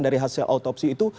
dari hasil otopsi itu